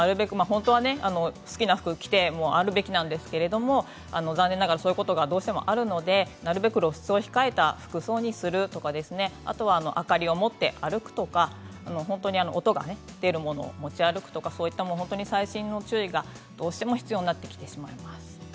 本当は好きな服を着ているべきなんですけれども残念ながら、どうしてもそういうことがあるので露出を控えた服装にするとか明かりを持って歩くとか音が出るものを持ち歩くとか細心の注意が、どうしても必要になってきてしまいます。